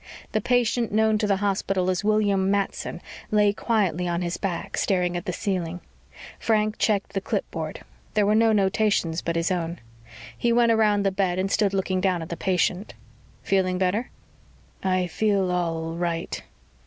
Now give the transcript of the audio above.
The patient known to the hospital as William Matson lay quietly on his back, staring at the ceiling. Frank checked the clipboard. There were no notations but his own. He went around the bed and stood looking down at the patient. "Feeling better?" "I feel all right."